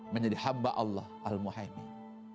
menjadi hamba allah al muhaimin